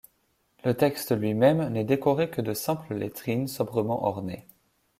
Le texte lui-même n'est décoré que de simples lettrines sobrement ornées.